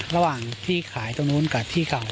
ระหว่างที่ขายตรงนู้นกับที่เก่า